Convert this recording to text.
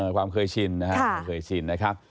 ความเคยชินนะครับ